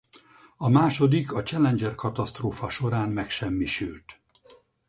A második a Challenger-katasztrófa során megsemmisült.